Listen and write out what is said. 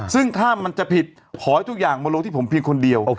ซึ่งถ้ามันจะผิดขอให้ทุกอย่างมาลงที่ผมเพียงคนเดียว